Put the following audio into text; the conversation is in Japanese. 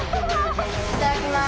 いただきます。